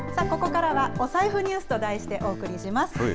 ここからはお財布ニュースと題してお送りします。